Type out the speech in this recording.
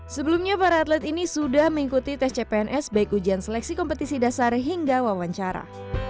sebelumnya para atlet ini sudah mengikuti tes cpns baik ujian seleksi kompetisi dasar hingga wawancara